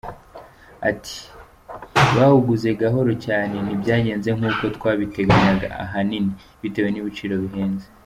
Ati” Bawuguze gahoro cyane, ntibyagenze nk’uko twabiteganyaga ahanini bitewe n’ibiciro bihenze.